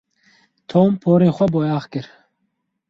Tom porê xwe boyax kir.